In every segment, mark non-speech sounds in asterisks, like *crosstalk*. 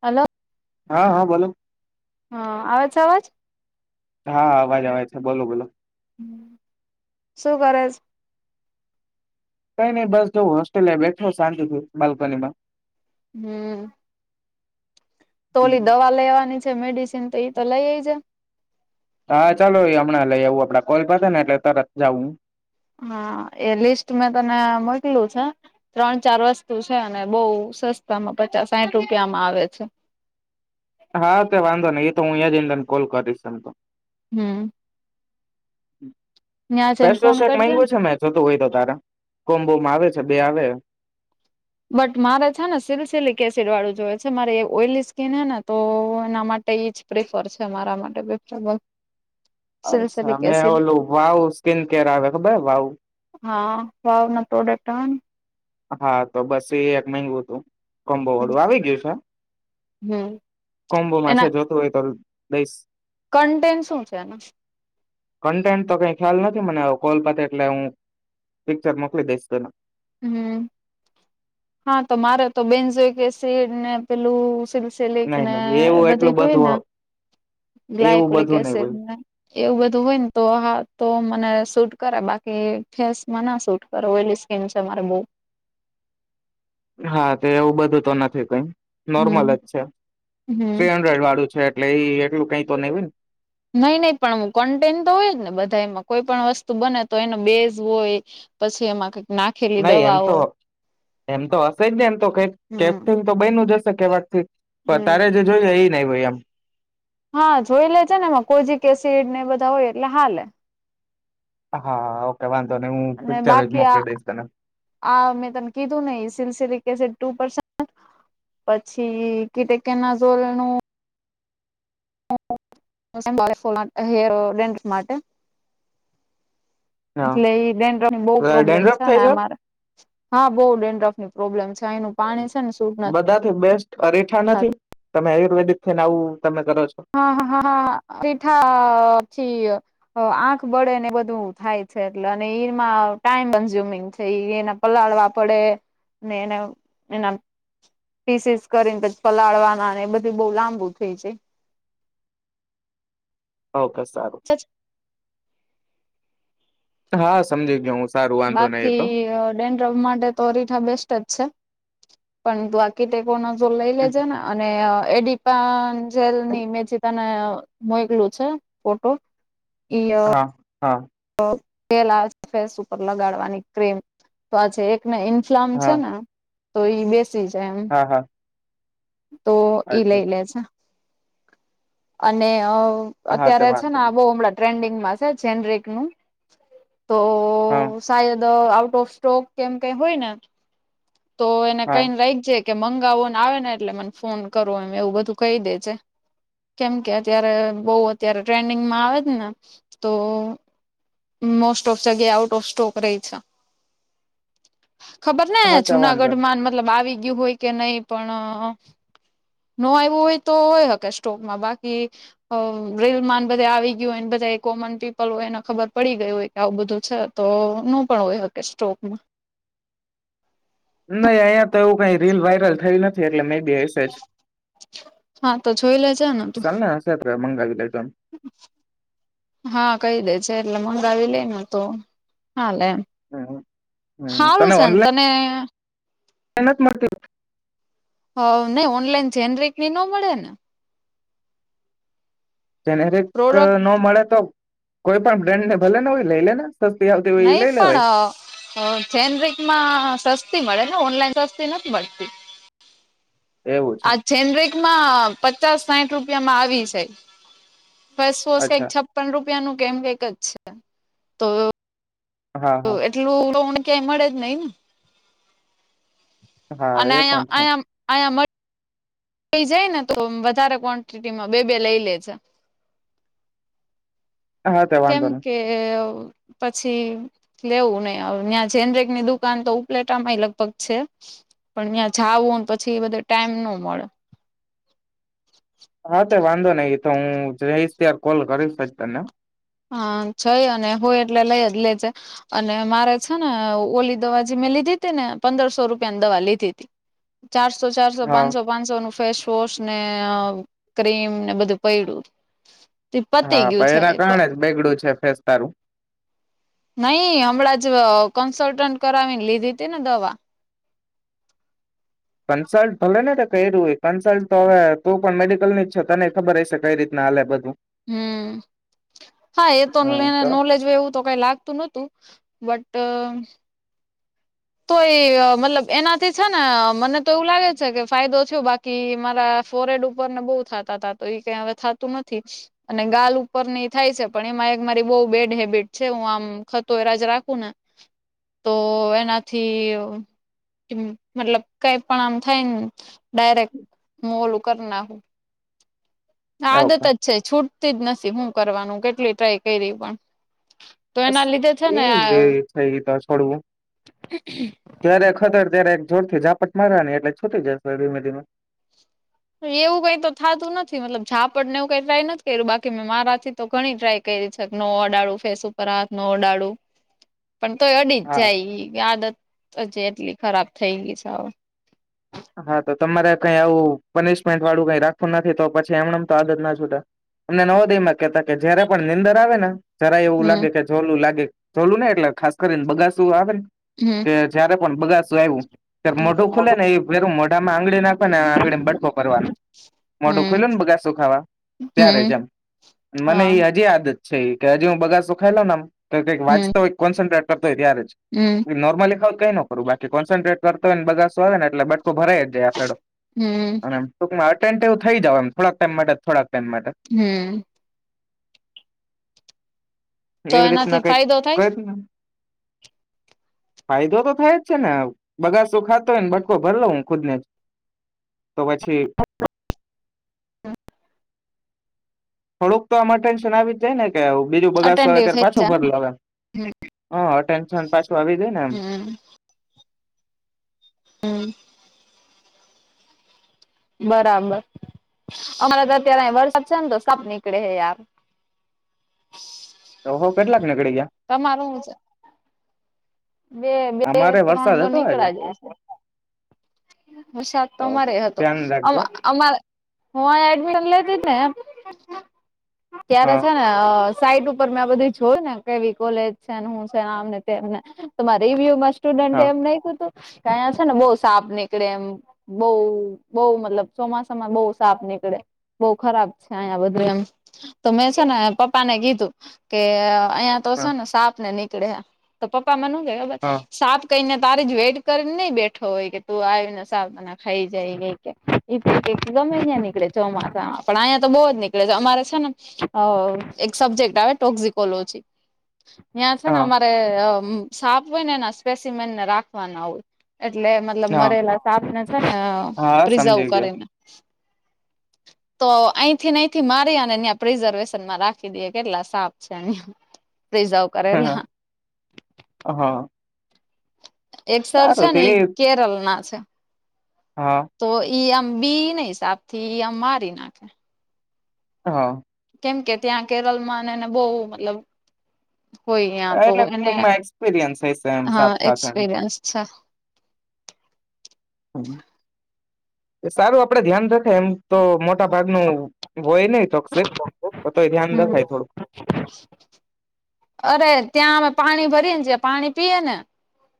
Hello. હા હા બોલો. હા, આવે છે અવાજ? હા, અવાજ આવે છે બોલો બોલો. હમ્મ, શું કરોષ? કઈ ની બસ જો હોસ્ટેલ એ બેઠા શાંતિ થી બાલ્કનીમાં. હમ્મ. તો ઓલી દવા લેવાની છે. મેડિસિન તો એ તો લઈએે જે. હા ચાલો એ અમણાં લઈ આવું આપડો કોલ પતેને એટલે તરત જાઉં હું. હા, એ લિસ્ટ મેં તને મોકલ્યું છે. ત્રણ ચાર વસ્તુ છે. અને બઉ સસ્તામાં પચાસ સાઠ રૂપિયામાં આવે છે. હા તે વાધો નઈ એતો હું અહીંયા એન દેન કોલ કરીશ એમ તો. હમ્મ. ત્યાં જઈને ફોન ફેવવોસ એક કરજે માઈગુ ને છે મે એક જતું હોય તો તારે. કોમ્બોમાં આવે છે, બે આવે. બટ મારે છે ને સિરસિલિક એસિડ વાળું જોઈએ છે. મારે એવું ઓઈલી સ્કીન હે ને તો એના માટે ઈજ પ્રિફર છે મારા માટે *unintelligible* અચ્છા. સિલસિલિક મેં એસિડ ઓલું વાવ સ્કીન કેર આવે, ખબર હે વાવ? હા. વાવના પ્રોડક્ટ અહં. હા તો બસ એ એક માઈંગુ તું, કોમ્બો ને વાળું. આવી ગયું છે‌. હમ કોમ્બોમાં છે. એના જોતું હોય તો દઈશ. કન્ટેન શું છે એનું? કન્ટેન્ટ તો કાંઈ ખ્યાલ નથી મને, હવે કોલ પતે એટલે હું પિક્ચર મોકલી દઈશ તને. હમ્મ. હા તો મારે તો બેનજોઈ કે સેડને પેલું સિર સિલિક નહી ને નહી એ એવું બધી એટલું હોય ના, બધું એવું ગ્લાયકોલિક બધું નહી એસિડ હોય ને. એવું બધું હોય ને તો હા તો મને શૂટ કરે, બાકી ફેસમાંના શૂટ કરે ઓઈલી સ સ્કીન છે મારે બોવ. હા તે એવું બધું તો નથી કંઈ, નોર્મલ હમ જ છે. હમ થ્રી હંડ્રેડ વાળું છે. એટલે ઈ એટલું કાંઈ તો નહીં હોયન. નહીં-નહીં પણ કન્ટેન્ટ તો હોય જ ને બધાઈમાં. કોઈ પણ વસ્તુ બને તો એનો બેઝ હોય પછી એમાં કંઈક નહીં એમ તો, એમ તો હશે જ ને. એમ તો કંઈક હમ કેફ્ટન તો બઈનું જ હશે કેવાકથી. તો તારે હમ જે જોઈએ, ઈ નહીં હોય એમ. હા, જોઈ લેજે ને એમાં. કોજિક એસિડ, ને એ બધા હોય એટલે હાલેે. હા, ઓકે વાંધો નહી, હું અને પિક્ચર જ બાકી આ મોકલી દઈશ તને. આ મેં તને કીધું નહીં, સિરસિલીક એસિડ ટું પર્સન્ટ પછી કીટેકેનાઝોલેનું *unintelligible* હેયર રેન્ટ માટે. એટલે હા ઈ ડ્રેંડ્રફની બહુ પ્રોબ્લેમ ડેન્ડ્રફ છે ને થાય આ મારે. હા, બહુ ડેન્ડ્રફની પ્રોબ્લેમ છે. આઇનું પાણી છે ને શૂટ નથ સ્ટ અરેઠા નથી? તમે આયુર્વેદિક થઈને આવું, તમે કરો છો. હા, હા, હા. અરેઠાથી અહ અહ આંખ બળે ને, એ બધું થાય છે. એટલે અને એમાં ટાઈમ કન્ઝ્યુમિંગ છે, ઈ એના પલાળવા પડે, ને એને એના પીસીસ કરીને, પછ પલાળવાના, ને એ બધું બઉ લાંબુ થઇ છે. ઓકે સારું. *inaudible* હા, સમજી ગયો હું સ બાકી અહ ડેન્ ડફ માટે તો અરીઠા બેસ્ટ જ છે. પણ *unintelligible* નો તું લઈ લેજે ના. અને એડિપા જેલ ની મે જે તને અહ મોઈકલું છે ફોટો, ઈ અહ હા, હા. તો તેલ આવે છે ફેસ ઉપર લગાડવાની ક્રીમ. તો આ જે એક ને ઇન્ફ્લામ છે હા ને, તો ઈ બેસી જાય એમ. હા હા તો ઈ અચ્છા લઈ લેજે. અને અહ હા તે અત્યારે છે વાંધો ને, નહી બહુ હમણાં ટ્રેન્ડિંગમાં છે, જેનરિક નું તો. હા. સાયદ આઉટ ઓફ સ્ટોક કેમ કઈ હોય ને, તો એને હા કઈ લઈ જાય. કે મંગાવોને આવે ને, એટલે મને ફોન કરવો, એ એવું બધું કહી દે છે. કેમ કે, અત્યારે બઉ અત્યારે ટ્રેન્ડિંગમાં આવે જ ને તો. મોસ્ટ ઓફ જગ્યા આઉટ ઓફ સ્ટોક રહી છે. ખબર ને, હા તે વાંધો જુનાગઢ માં મતલબ આવી ગયું હોય કે, નહી પણ. નો આવું હોય, તો હોય, હોકી સ્ટોકમાં બાકી. રિલ માન બધા આવી ગયું હોયને, બધા એ કોમન પીપલ હોયને ખબર પડી ગઈ હોય કે, આવું બધું છે, તો નું પણ હોય, હોકી સ્ટોકમાં. નહી, અહીંયા તો એવું કઈ રીલ વાયરલ થય નથી, એટલે મે બી હશેજ, હા, તો જોઈ લે જને તું ચાલ ને હશે તો મંગાવી લેજો એમ. હા, કહી દે જે એટલે મંગાવી લેને, તો હાલે એમ હમ હમ હારું છેને તને. અહીંયા નથી મળતી. હ, નઈ, ઓનલાઈન જેનરેિક ની મળે ને? જેનેરિક પ્રોડક્ટ નો મળે તો, કોઈ પણ બ્રેન્ડ ને ભલેને હોય, લઈ લે ને. સસ્તી આવતી હોય, એ લઈ લેવાય. જેનરિક માં સસ્તી મળે ને, ઓનલાઈન સસ્તી નથી મળતી. એવું છે આ જેનરિક માં પચાસ-સાઠ રૂપિયામાં આવી જાય. ફેસવોશ કઈક અચ્છા છપ્પન રૂપિયા નું કેમ કઈક જ છે, તો. હા તો હા એટલું *inaudible* ક્યાંય મળે જ નહી ને. હા અને એ પણ છે અહીયા, અહીયા મ કઈ જાય ને, તો વધારે કોન્ટીટી માં બે-બે લઈ લેજે. હા તે કેમ વાંધો નહી કે પછી, લેવું નહી હવે ત્યાં જેનરેક ની દુકાન તો ઉપલેટા માંય લગભગ છે. પણ ત્યાં જાવું પછી એ બધે ટાઈમ નો મળે. હા તે વાંધો નઈ એ તો હું જઈ આઇશ ત્યાર કોલ કરીશ જ તને. હા જય અને હોય એટલે લઈ જ લેજે. અને મારે છે ને ઓલી દવા જે મેં લીધી હતી ને પંદરસો રૂપિયાની દવા લીધી હતી. ચારસો ચારસો હા પાંચસો, પાંનસો નું ફેસવોશ ને ક્રીમ ને બધું પૈડું તે પતી ગયું છે. ત્યારે જ બેગડું છે ફેસ તારું. નઈ હમણાં જ કન્સલ્ટન્ટ કરાવીને લીધી હતી ને દવા, કન્સલ્ટ ભલે ને તો કર્યું કન્સલ્ટ તો હવે તું પણ મેડિકલ ની જ છો તને ખબર હશે કઈ રીતના હાલે બધું. હમ્મ હા એ તો ભલેએને નોલેજ હોય એવું તો કંઈ લાગતું નહોતું બટ, તોએ મતલબ એનાથી છે ને મને તો એવું લાગે છે કે ફાયદો થયો બાક કી મારા ફોરેહેડ ઉપર ને બહુ થતાતા તો એ કઈ હવે થાતું નથી. અને ગાલ ઉપરની થાય છે, પણ એમાં એક મારી બહુ બેડ હેબિટ છે હું આમ ખ તો એરાજ રાખું ને તો એનાથી, મતલબ કઈ પણ આમ થાય ને ડાયરેક મુ ઓલું કર નાખું. *inaudible* આદત ઓકે જ છે છૂટતી જ નથી, હું કરવાનું કેટલી ટ્રાય કરી પણ, તો એના લીધે છે ને આ થઈ ગઈ તો છોડવું. હમ્મ. જય્યારે ખતર ત્યારે એક જોર થી ઝાપટ મારવા ની એટલે છૂટી જશે, ધીમે-ધીમે. એવું કઈ તો થતું નથી મતલબ જાપડને એવું કઈ ટ્રાય નથી કર્યું બાકી મેં મારા થી તો ઘણી ટ્રાય કેરી છે નો અડાડું ફેસ ઉપર હાથ નો અડાડું. પણ તોય અડી જ હા જાય આદત હજે એટલી ખરાબ થઈ ગઈ છે હવે. હા તો તમારે કઈ આવું પનિશમેન્ટ વાળું કઈ રાખવું નથી તો પછી એમનેમ તો આદત ના છુટે. અમને નવોદય માં કેતા કે જયારે પણ નીંદર આવે ને જરાય એવું હમ લાગે કે જોલું લાગે જોલું નહી એટલે ખાસ કરીને બગાસું આવે ને હમ્મ. એ જયારે પણ બગાસું આવ્યું ત્યારે મોઢું ખુલે ને એ પે મોઢામાં આંગળી નાખવાની ને આંગળીને બટકો ભરવાનું. મોઢું હમ ખોલ્યું ને બગાસો ખાવા ત્યારે હમ જમ એમ મને હા એ હજી આદત જ છે કે હજી હું બગાસુ ખાઈ લઉ આમ કઈક વાચતો, કોન્સન્ટ્રેટ કરતો હોય ત્યારે જ. હમ્મ. નોર્મલી ખાવ કઈ નો કરું બાકી કોન્સન્ટ્રેટ કરતો હયને બગાસો આવે ને એટલે બટકો ભરે. જે આ છોડો હમ અને આમ ટૂકમાંટે અટેન્ડ થઈ જાવ એમ થોડાક ટાઈમ થોડાક માટે ટાઈમ માટે. હમ્મ. તો એવી એનાથી રીતના કઈક ફાયદો થાય? કઈ ફાયદો તો થાય જ છે ને બગાસું ખાતો હોય ને બટકો ભર લઉ હું ખુદ ને. તો પછી થોડુંક તો આમાં ટેન્શન આવી જ જાય ને કે બીજું બગાસ આવેય અટેન્ટિવ ત્યારે થઈ પાછો જાય ભર લાવ એમ. ને અહ અટેન્શન પાછું આવી જાય ને એમ. હમ હમ્મ. બરાબર અમારે તો અત્યારે વરસાદ છે ને તો સાપ નીકળે હે યાર. તો હો કેટલાક નિકળી ગયા? તમારું હું છે? બે બે અમારે ત્રણ વરસાદ તો હતો આજે નીકળા હશે. હો શાક ઓહો તમારે હતો ધ્યાન રાખજે આમાં અમારે અમારે એડમિશન લે તિત ને ત્યારે હા છે છે અહ નસાઈટ ઉપર મેં આ બધી જોય ને કેવી કોલેજ છે ને હું છેને આમને તેમને માં રિવ્યુમાં સ્ટુડન્ટ હા એમ નહી કુતું કે અંયા છે ને બહુ સાપ નીકળે એમ. બઉ બહુ મતલબ ચોમાસામાં બહુ સાપ નીકળે. બહુ ખરાબ છે અહીંયા બધું એમ તો મેં છે ને પપ્પાને કીધું કે અહ અહીંયા તો હા છે ને સાપ ને નીકળે તો પપ્પા મને હું કે ખબર હા સાપ કઈને તારી જ વેટ કરીને નઈ બેઠો હોય કે તું આવીને સાપ આમ ના ખાઈ જાય ગમે ત્યાં નીકળે ચોમાસા પણ અહીંયા તો બહુ જ નીકળે છે અમારે છે ને અહ એક સબ્જેક્ટ આવે ટોક્ઝકોલોજી ન્યા છે ને હા અમારે અહ અમ્મ સાપ હોય ને એના સ્પેેશમેન ને રાખવાના હોય એટલે એમાં મતલબ હા મરેલા સાપ ને છે ને અહ હા પ્રિઝર્વ સમજી ગયો કરીને તો અહીથી અહીથી મારી અને પેજરવીસન માં રાખી દે કેટલા સાપ છે અહીંયા. પ્રિઝર્વે હા હા હા. એક સર છે સારું તે ને ઈ કેરલ ના છે. હા. તો ઈ આમ બી નહીં સાપ થી, ઈ આમ મારી નાખે. હા. કેમ કે ત્યાં કેરલમાંને એને બહુ મતલબ હોય યાં તો એટલે એને, ટૂંકમાં એક્સપિરિયન્સ હશે એમ હા સાફ સાથે એમ. એક્સપીરિયન્સ છે. હમ્મ. એ સારું આપણે ધ્યાન રખાય. એમ તો મટ ટાભાગ નું હોય નહીં ટોકસીક, પણ તોય ધ્યાન હમ રખાય થોડુંક. *inaudible* અરે ત્યાં અમે પાણી ભરીએ, ને જે પાણી પીએ ને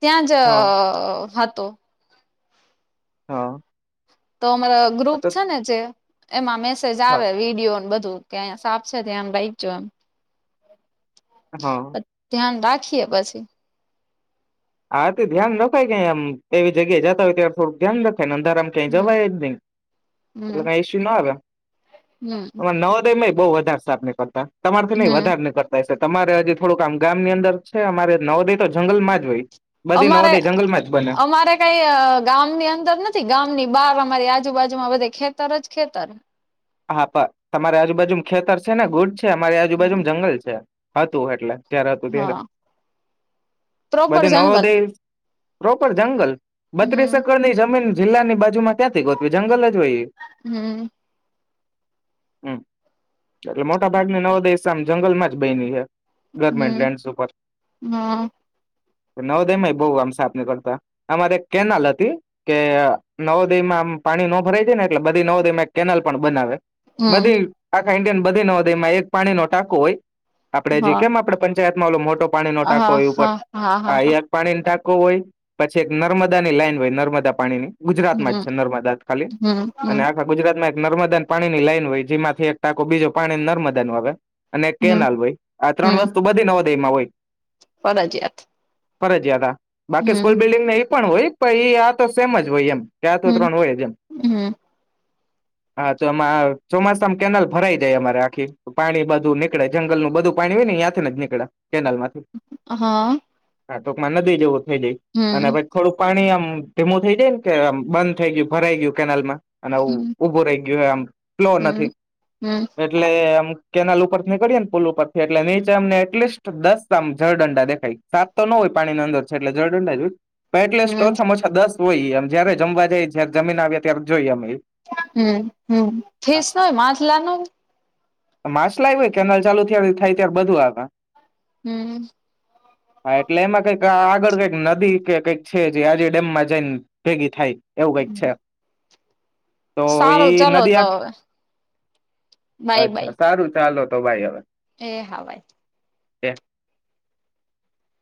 ત્યાં જ હા હતો. હા. તો અમારા ગ્રુપ તો છે ને જે, એમાં મેસેજ હા આવે, વિડીયોન બધું. કે અહિયાં સાપ છે ધ્યાન રાઈખજો એમ. હા. ધ્યાન રાખીએ પછી. હા તે ધ્યાન રખાય કે એમ, એવી જગ્યાએ જતા હોય ત્યારે થોડુંક ધ્યાન રખાય. ને અંધારામ ક્યાંય હમ જવાય જ નહીં. એટલે હમ કાંઈ ઈશ્યું ન આવે. હમ અમાર નવોદયમાંઈ બહુ વધારે સાપ નીકળતા, તમાર થીને હમ વધાર નીકળ તા હઈશે. તમારે હજી થોડુંક આમ ગામ ની અંદર છે, અમારે નવોદય તો જંગલ માં જ હોય. બધી નવોદય જંગલમાં જ બને અમારે-અમારે કાંઈ અહ ગામની અંદર નથી, ગામની બહાર અમારી આજુબાજુમાં બધે ખેતર જ ખેતર. હા પણ, તમારી આજુબાજુમ ખેતર સે ને! ગુડ છે. અમારી આજુબાજુમ જંગલ છે, હતું એટલે. ત્યારે હતું ત્યારે. હા પ્રોપર બધી જંગલ નવોદય પ્રોપર જંગલ. બત્રીસ હમ એકર ની જમીન જિલ્લાની બાજુ માં ક્યાંથી ગોતવી? જંગલ જ હોય ઈ. હમ્મ. હમ્મ. એટલે મોટા ભાગની નવોદયઝ આમ જંગલમાં જ બઈની હે. ગવર્મેન્ટ હમ લેન્ડસ ઉપર. હા ને નવોદય માં બોવ આમ સાપ નીકળતા. અમારે એક કેનાલ હતી, કે નવોદયમાં આમ પાણી નો ભરાય જાયને એટલે બધી નવોદયમાં એક કેનાલ પણ બનાવે. હમ બધી આખા ઇન્ડિયન બધે નવોદયમાં એક પાણી નો ટાંકો હોય. આપણે જી હા કેમ આપણે પંચાયતમાં ઓલો મોટો પાણી નો ટાંકો હા હોય ઉપર? હા હા હા આ હા એક પાણીન ટાકો હોય. પછી એક નર્મદા ની લાઈન હોય, નર્મદા પાણીની. ગુજરાતમાં જ હમ છે નર્મદા ત ખાલી. હમ હમ અને આખા ગુજરાત માં એક નર્મદાન પાણીની લાઈન હોય, જેમાંથી એક ટાંકો, બીજો પાણી નર્મદા નું આવે. અને એક હમ કેનાલ હોય. આ ત્રણ હમ વસ્તુ બધી નવોદયમાં હોય. ફરજિયાત. ફરજિયાત હા. બાકી હમ સ્કૂલ બિલ્ડિંગને ઈ પણ હોય, પણ ઈ આ તો સેમ જ હોય એમ. કે આ તો ત્રણ હોય જ એમ. હમ્મ. હા. તો એમાં ચોમાસામ કેનાલ ભરાઈ જાય અમારે આખી. તો પાણી બધું નીકળે, જંગલ નું બધું પાણી હોય ને ઈ ન્યાં થીન જ નીકળે કેનાલમાંથી. હા. હા. ટૂંકમાં નદી જેવું થઈ જાય. અને હમ પછ થોડુંક પાણી આમ ધીમું થઈ જાય ને કે આમ બંધ થઈ ગયું, ભરાઈ ગયું કેનાલમાં, અને આવું હમ ઉભો રહી ગયું એમ, ફ્લો હમ નથી. હમ એટ એટલે આમ કેનાલ ઉપર નીકળીએ ને પુલ ઉપર થી એટલે નીચે અમને એટલીસ્ટ દસ આમ જળદંડા દેખાય સાત તો નો હોય પાણીની અંદર છે એટલે જળડંડા જ હોય. તો એટલીસ્ટ હમ ઓછામાં ઓછા દસ હોયમ જયારે જમવા જાય જય જમીન આવ્યા ત્યારે જોઈએ અમે ઈ હમ્મ હમ્મ ફિશ હોય માથલાનું આમ માછલાવ્યુંય કેનાલ ચાલુ થાય ત્યારે બધું આવે. હમ્મ. હા એટલે એમાં કઈક આ આગળ કઈક નદી કે કઈક છે જે આજે ડેમમાં જઈને ભેગી થાય. એવું કાઈક છે. તો સારું એઈ ચલો નદી તો હવે બાય અચ્છા બાય સારું ચાલો તો ભાઈ હવે. એ હા બાય.